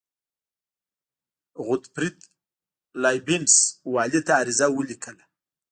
غوتفریډ لایبینټس والي ته عریضه ولیکله.